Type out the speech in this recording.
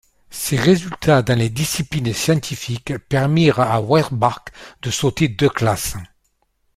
Ses résultats dans les disciplines scientifiques permirent à Weisbach de sauter deux classes.